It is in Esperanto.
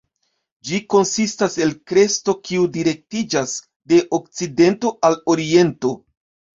Ĝi konsistas el kresto kiu direktiĝas de okcidento al oriento.